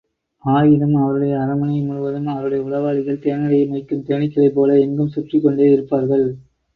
ஆயினும் அவருடைய அரண்மனை முழுவதும் அவருடைய உளவாளிகள் தேனடையை மொய்க்கும் தேனீக்களைப் போல எங்கும் சுற்றிக் கொண்டே யிருப்பார்கள்.